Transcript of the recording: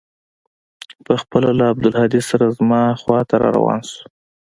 پخپله له عبدالهادي سره زما خوا ته راروان سو.